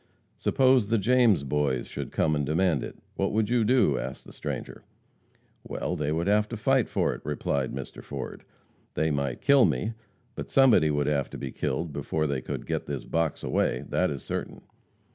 "Suppose the James Boys should come and demand it; what would you do?" asked the stranger. "Well, they would have to fight for it," replied Mr. Ford. "They might kill me, but somebody would have to be killed before they could get this box away, that is certain."